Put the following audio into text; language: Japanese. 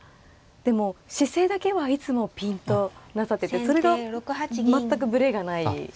でも姿勢だけはいつもピンとなさっててそれが全くブレがないですよね。